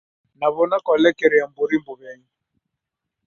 Naw'ona kwalekeria mburi mbuw'enyi